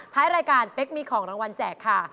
ท้ายรายการเป๊กมีของรางวัลแจกค่ะ